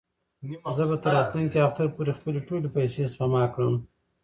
زه به تر راتلونکي اختر پورې خپلې ټولې پېسې سپما کړم.